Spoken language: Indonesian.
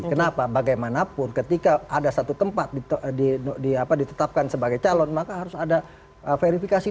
kenapa bagaimanapun ketika ada satu tempat ditetapkan sebagai calon maka harus ada verifikasi